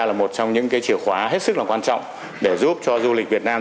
là một trong những chiều khóa hết sức quan trọng để giúp cho du lịch việt nam